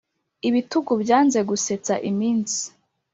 ibitugu byanze gusetsa iminsi,